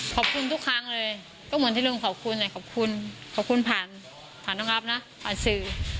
ขอบคุณทุกครั้งเลยก็เหมือนที่ลุงขอบคุณแหละขอบคุณขอบคุณผ่านผ่านน้องอัพนะผ่านสื่อ